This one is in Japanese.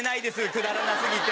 くだらなすぎて。